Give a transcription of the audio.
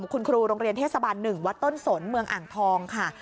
คุณครูโรงเรียนเทศบาล๑วัดต้นสนเมืองอ่างทองค่ะ